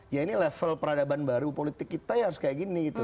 ya ini level peradaban baru politik kita ya harus kayak gini gitu